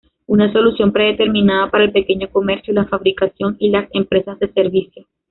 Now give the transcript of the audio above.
Una solución predeterminada para el pequeño comercio, la fabricación y las empresas de servicios.